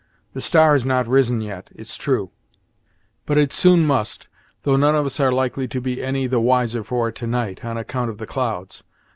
"The star has not risen yet, it's true, but it soon must, though none of us are likely to be any the wiser for it to night, on account of the clouds.